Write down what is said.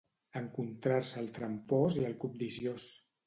Encontrar-se el trampós i el cobdiciós